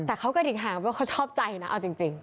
แต่เขากระดิกหางว่าเขาชอบใจนะเอาจริง